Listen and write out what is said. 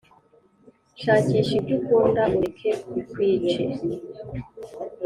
shakisha ibyo ukunda ureke bikwice.